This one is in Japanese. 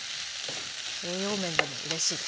栄養面でもうれしいです。